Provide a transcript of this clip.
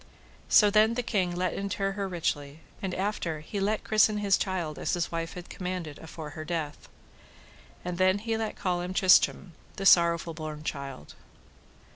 So then the king let inter her richly, and after he let christen his child as his wife had commanded afore her death. And then he let call him Tristram, the sorrowful born child.